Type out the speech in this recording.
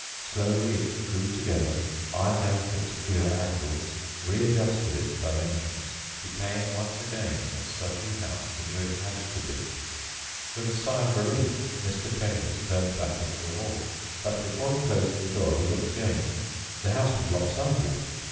Slowly it drew together, ironed out its queer angles, readjusted its dimensions, became once again the stodgy house he knew it had to be. With a sigh of relief, Mr. Chambers turned back into the hall. But before he closed the door, he looked again. The house was lop sided